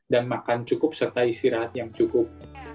dan makan cukup serta istirahat yang cukup